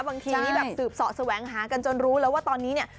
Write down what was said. บางทีแบบสืบเสาะแสวงหากันจนรู้แล้วว่าตอนนี้เนี่ย